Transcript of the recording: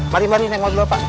mari mari neng odlo pak